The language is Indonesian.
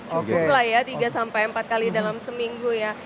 cukup lah ya tiga sampai empat kali dalam seminggu ya